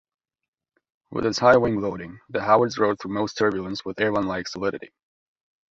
With its high wing loading, the Howards rode through most turbulence with airline-like solidity.